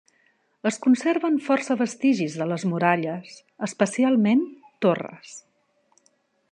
Es conserven força vestigis de les muralles, especialment torres.